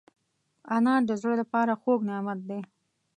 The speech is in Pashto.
انار د زړه له پاره خوږ نعمت دی.